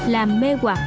làm mê hoặc